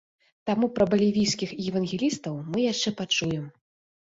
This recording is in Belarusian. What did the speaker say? Таму пра балівійскіх евангелістаў мы яшчэ пачуем.